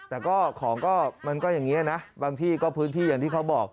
แต่ก็ของก็มันก็อย่างนี้นะบางที่ก็พื้นที่อย่างที่เขาบอก